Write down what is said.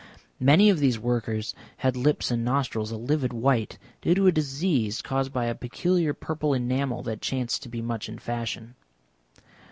Many of these workers had lips and nostrils a livid white, due to a disease caused by a peculiar purple enamel that chanced to be much in fashion.